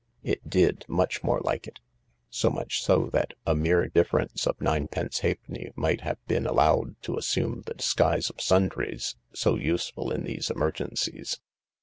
It did, much more like it — so much so that a mere dif ference of ninepence halfpenny might have been allowed to assume the disguise of "sundries " so useful in these emer gencies.